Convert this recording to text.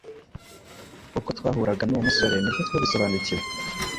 ubwo twahuraga nuwo musore nibwo twabisobanukiwe